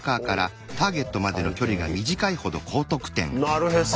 なるへそ。